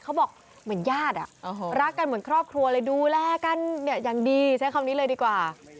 เขาบอกเหมือนญาติรักกันเหมือนครอบครัวเลยดูแลกันอย่างดีใช้คำนี้เลยดีกว่า